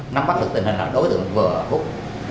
nắm bắt được tình hình là đối tượng vừa hút